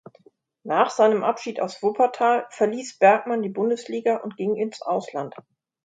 Nach seinem Abschied aus Wuppertal verließ Bergmann die Bundesliga und ging ins Ausland.